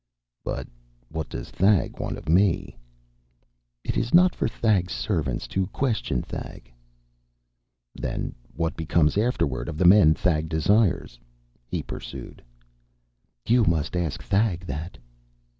"But what does Thag want of me?" "It is not for Thag's servants to question Thag." "Then what becomes, afterward, of the men Thag desires?" he pursued. "You must ask Thag that."